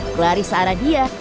kelari searah dia